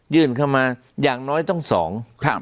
ยืนเข้ามาอย่างน้อยต้องส่อง